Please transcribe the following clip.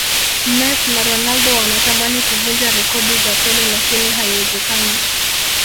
mess na ronaldo wanatamani kuvunja rekodi za pele lakini haiwezekani